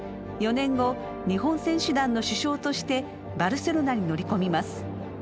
４年後日本選手団の主将としてバルセロナに乗り込みます。